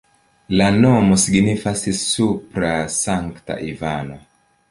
La nomo signifas supra-Sankta-Ivano.